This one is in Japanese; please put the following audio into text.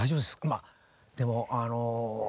まあでもあのいや。